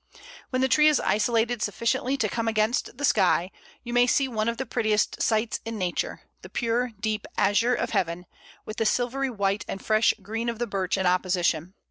When the tree is isolated sufficiently to come against the sky, you may see one of the prettiest sights in Nature the pure deep azure of heaven, with the silvery white and fresh green of the birch in opposition.